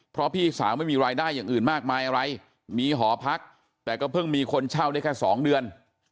เพราะพี่สาวไม่มีรายได้อย่างอื่นมากมายอะไรมีหอพักแต่ก็เพิ่งมีคนเช่าได้แค่๒เดือน